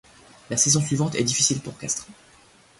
La saison suivante est difficile pour Castres.